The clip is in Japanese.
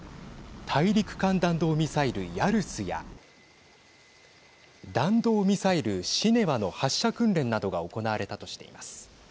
大陸間弾道ミサイル、ヤルスや弾道ミサイル、シネワの発射訓練などが行われたとしています。